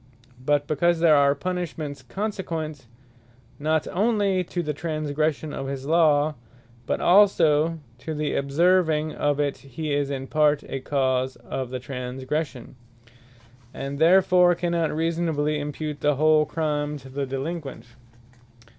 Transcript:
But because there are punishments consequent, not onely to the transgression of his Law, but also to the observing of it, he is in part a cause of the transgression, and therefore cannot reasonably impute the whole Crime to the Delinquent.